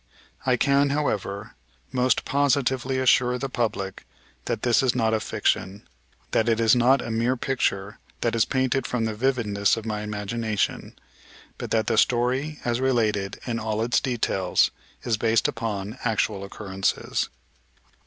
I can, however, most positively assure the public that this is not a fiction, that it is not a mere picture that is painted from the vividness of my imagination, but that the story as related in all its details is based upon actual occurrences.